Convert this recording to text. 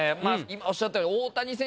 今おっしゃったように。